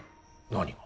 何が？